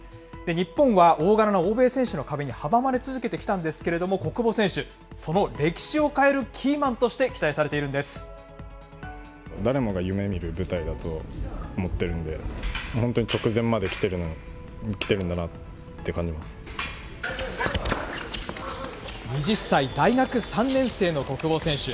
日本は大柄な欧米選手の壁に阻まれ続けてきたんですけれども、小久保選手、その歴史を変えるキー２０歳、大学３年生の小久保選手。